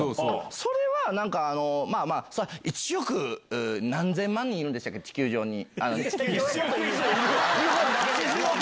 それはなんか、まあまあ、１億何千万人いるんでしたっけ、地球上に。